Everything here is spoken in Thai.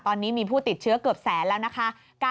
ตอนนี้มีผู้ติดเชื้อเกือบแสนแล้วนะคะ